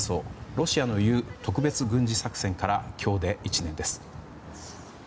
ロシアの言う特別軍事作戦から今日で１年です。